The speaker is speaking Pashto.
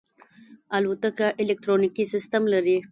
الوتکه الکترونیکي سیستم لري.